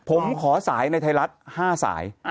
ผมขอสายในไทยรัฐ๕สาย